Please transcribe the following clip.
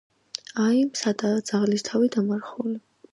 აი, სადაა ძაღლის თავი დამარხული.